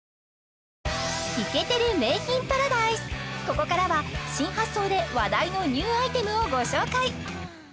ここからは新発想で話題のニューアイテムをご紹介